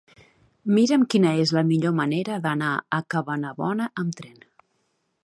Mira'm quina és la millor manera d'anar a Cabanabona amb tren.